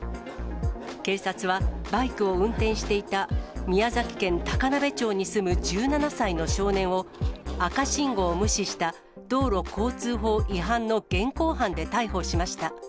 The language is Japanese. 警察はバイクを運転していた宮崎県高鍋町に住む１７歳の少年を、赤信号を無視した道路交通法違反の現行犯で逮捕しました。